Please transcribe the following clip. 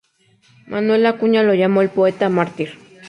Manuel Acuña lo llamó "el Poeta Mártir".